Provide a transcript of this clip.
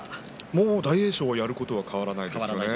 もう大栄翔はやることは変わらないですね。